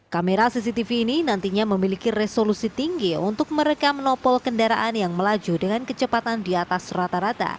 kamera cctv ini nantinya memiliki resolusi tinggi untuk merekam nopol kendaraan yang melaju dengan kecepatan di atas rata rata